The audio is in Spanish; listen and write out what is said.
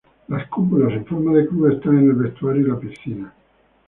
Las cúpulas en forma de cruz están en el vestuario y la piscina.